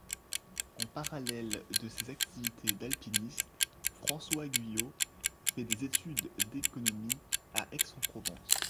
En parallèle de ses activités d'alpiniste, François Guillot fait des études d'économie à Aix-en-Provence.